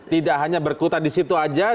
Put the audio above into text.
tidak hanya berkuta di situ aja